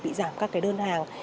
bị giảm các đơn hàng